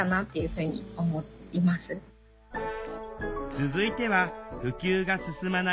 続いては普及が進まない